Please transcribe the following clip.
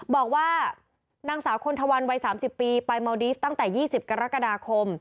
บอกว่านางสาวคนทวันวัย๓๐ปีไปเมาดีฟตั้งแต่๒๐กรกฎาคม